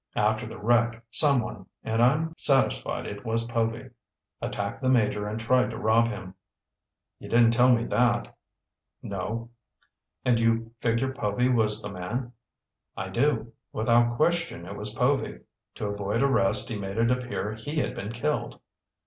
After the wreck, someone—and I'm satisfied it was Povy—attacked the Major and tried to rob him." "You didn't tell me that." "No." "And you figure Povy was the man?" "I do. Without question it was Povy. To avoid arrest, he made it appear he had been killed."